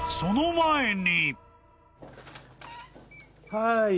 はい。